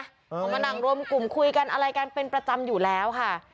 เขามานั่งรวมกลุ่มคุยกันอะไรกันเป็นประจำอยู่แล้วค่ะ